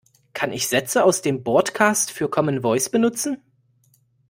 Kann ich die Sätze aus dem Bordcast für Commen Voice benutzen?